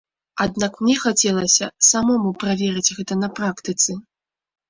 Аднак мне хацелася самому праверыць гэта на практыцы.